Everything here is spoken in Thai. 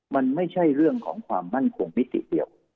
มันไม่ใช่เรื่องของความมั่นคงมิติเดียว